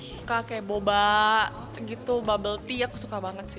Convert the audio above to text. suka kayak boba gitu bubble tea aku suka banget sih